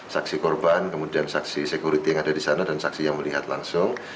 saksi korban kemudian saksi security yang ada di sana dan saksi yang melihat langsung